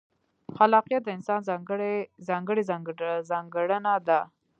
خلاقیت د انسان ځانګړې ځانګړنه ده.